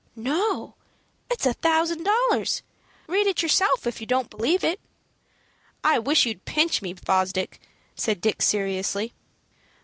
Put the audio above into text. "No, it's a thousand dollars. Read it yourself if you don't believe it." "I wish you'd pinch me, Fosdick," said Dick, seriously.